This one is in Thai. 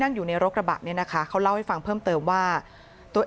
อยู่ในรถกระบะเนี่ยนะคะเขาเล่าให้ฟังเพิ่มเติมว่าตัวเอง